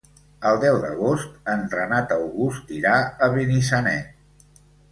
El deu d'agost en Renat August irà a Benissanet.